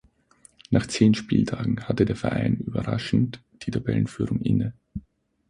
Nach zehn Spieltagen hatte der Verein überraschend die Tabellenführung inne.